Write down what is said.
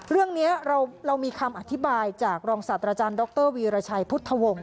เรื่องนี้เรามีคำอธิบายจากรองศาสตราจารย์ดรวีรชัยพุทธวงศ์